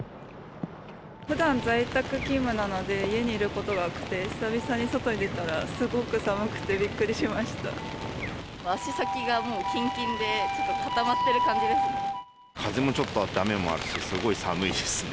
ふだん、在宅勤務なので、家にいることが多くて、久々に外に出たら、すごく寒くてびっくり足先がもう、きんきんで、風もちょっとあって、雨もあって、すごい寒いですね。